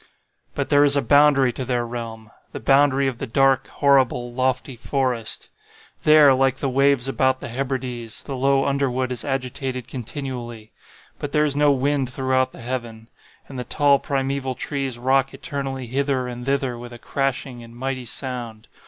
"But there is a boundary to their realm—the boundary of the dark, horrible, lofty forest. There, like the waves about the Hebrides, the low underwood is agitated continually. But there is no wind throughout the heaven. And the tall primeval trees rock eternally hither and thither with a crashing and mighty sound.